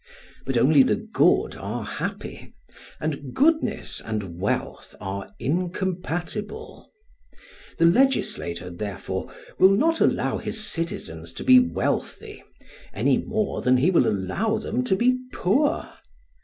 But only the good are happy, and goodness and wealth are incompatible. The legislator, therefore, will not allow his citizens to be wealthy, any more than he will allow them to be poor.